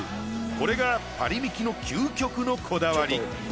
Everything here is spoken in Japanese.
これがパリミキの究極のこだわり。